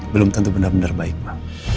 belum tentu benar benar baik pak